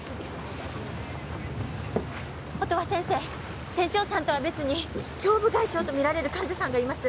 音羽先生船長さんとは別に胸部外傷とみられる患者さんがいます